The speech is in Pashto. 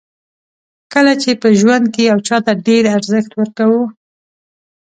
کله چې په ژوند کې یو چاته ډېر ارزښت ورکوو.